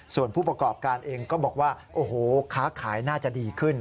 ส่วนผู้ประกอบการเองก็บอกว่าโอ้โหค้าขายน่าจะดีขึ้น